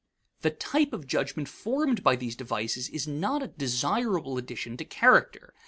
The type of judgment formed by these devices is not a desirable addition to character.